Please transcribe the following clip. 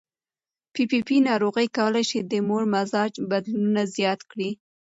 پي پي پي ناروغي کولی شي د مور مزاج بدلونونه زیات کړي.